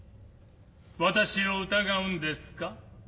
私を疑うんですか？